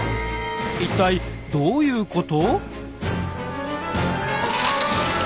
一体どういうこと？